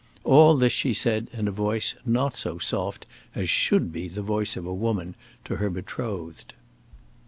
All this she said, in a voice not so soft as should be the voice of woman to her betrothed.